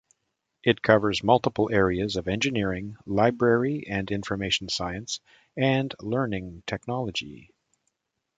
It covers multiple areas of engineering, library and information science, and learning technology.